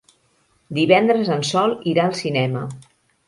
Divendres en Sol irà al cinema.